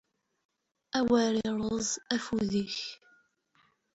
Awer iṛṛeẓ afud-ik.